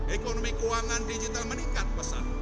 ekonomi keuangan digital meningkat pesat